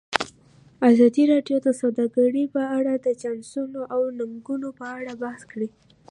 ازادي راډیو د سوداګري په اړه د چانسونو او ننګونو په اړه بحث کړی.